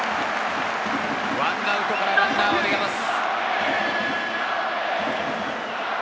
１アウトからランナーが出ます。